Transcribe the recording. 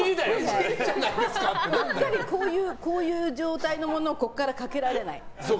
特に、こういう状態のものを首からかけられない。